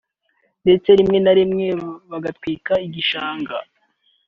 ndetse rimwe na rimwe bagatwika igishanga